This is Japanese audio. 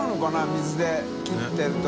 水で切ってると。